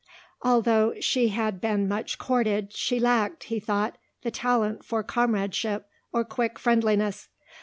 Although she had been much courted she lacked, he thought, the talent for comradeship or quick friendliness.